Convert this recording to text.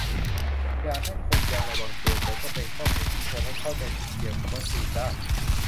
อยากให้คนยังระวังตัว แต่ก็เป็นข้อมูลที่ชวนให้เข้าใจผิดเกี่ยวกับวัคซีนได้